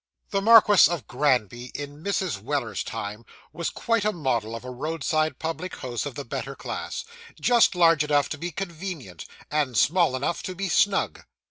The Marquis of Granby, in Mrs. Weller's time, was quite a model of a roadside public house of the better class just large enough to be convenient, and small enough to be snug.